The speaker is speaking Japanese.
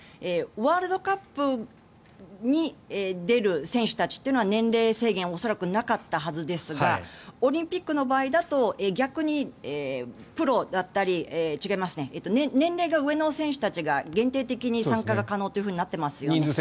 ワールドカップに出る選手たちというのは年齢制限恐らくなかったはずですがオリンピックの場合だと年齢が上の選手たちが限定的に参加が可能となっていますよね。